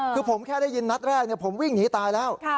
คือผมแค่ได้ยินนัดแรกผมวิ่งหนีตายแล้ว